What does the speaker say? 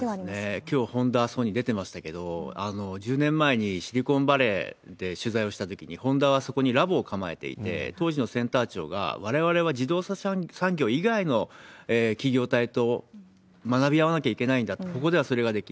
きょう、ホンダ・ソニー出てましたけど、１０年前にシリコンバレーで取材をしたときに、ホンダはそこにラボを構えていて、当時のセンター長が、われわれは自動車産業以外の企業体と学び合わなきゃいけないんだと、ここではそれができる。